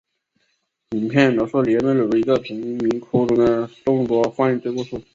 影片描述里约热内卢的一个贫民窟中的众多犯罪故事。